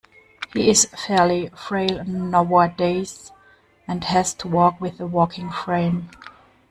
He is fairly frail nowadays, and has to walk with a walking frame